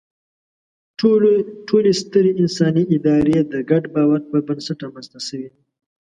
ټولې سترې انساني ادارې د ګډ باور پر بنسټ رامنځ ته شوې دي.